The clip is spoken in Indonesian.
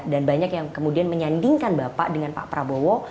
dan banyak yang kemudian menyandingkan bapak dengan pak prabowo